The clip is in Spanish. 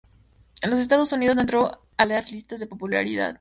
En los Estados Unidos no entró en las listas de popularidad.